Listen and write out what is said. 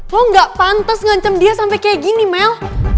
lo gak pantes ngancem dia sampe kayak gini mel